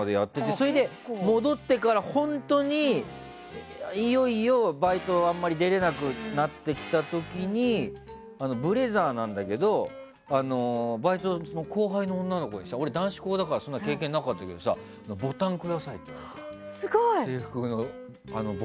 それで戻ってから本当にいよいよバイトにあんまり出れなくなってきた時にブレザーなんだけどバイトの後輩の女の子が俺、男子校だから経験なかったけどボタンくださいって言われた。